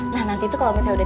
dia dengan pakaian yang indah